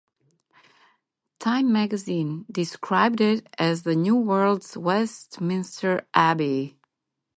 "Time" magazine described it as the "New World's Westminster Abbey".